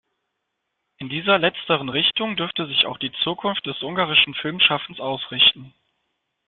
In dieser letzteren Richtung dürfte sich auch die Zukunft des ungarischen Filmschaffens ausrichten.